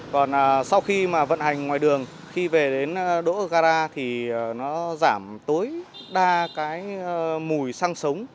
còn sau khi mà vận hành ngoài đường khi về đến đỗ gara thì nó giảm tối đa cái mùi xăng sống